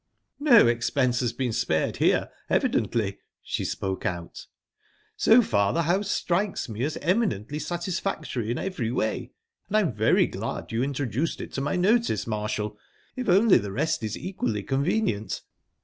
"No expense has been spared here evidently," she spoke out. "So far the house strikes me as eminently satisfactory in every way, and I am very glad you introduced it to my notice, Marshall. If only the rest is equally convenient..."